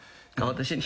私に？